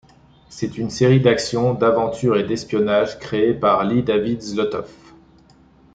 C'est une série d'action, d'aventure et d'espionnage, créée par Lee David Zlotoff.